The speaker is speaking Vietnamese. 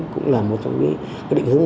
cũng là một trong những cái định hướng